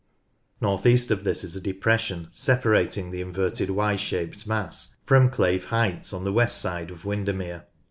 North east of this is a depres sion separating the ^ shaped mass from Claife Heights on the west side of Windermere.